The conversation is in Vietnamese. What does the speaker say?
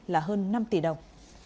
là hơn năm tỷ đồng